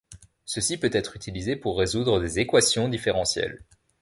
Ceci peut être utilisé pour résoudre des équations différentielles.